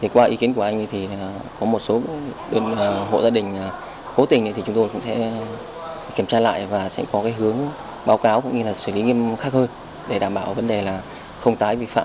qua ý kiến của anh có một số hộ gia đình cố tình thì chúng tôi cũng sẽ kiểm tra lại và sẽ có hướng báo cáo cũng như xử lý nghiêm khắc hơn để đảm bảo vấn đề là không tái vi phạm